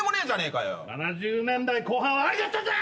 ７０年代後半はありだったんだ！